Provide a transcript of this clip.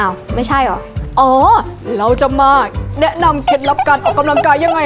ไม่ใช่เหรออ๋อเราจะมาแนะนำเคล็ดลับการออกกำลังกายยังไง